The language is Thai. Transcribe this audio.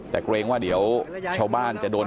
แต่เกรงว่าเดี๋ยวชาวบ้านจะโดน